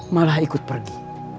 malah ikut pergi